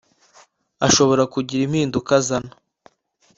ashobora kugira impinduka azana